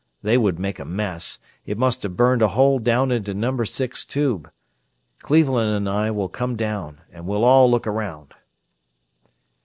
They would make a mess; it must have burned a hole down into number six tube. Cleveland and I will come down, and we'll all look around."